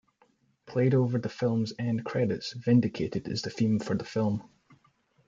Played over the film's end credits, "Vindicated" is the theme for the film.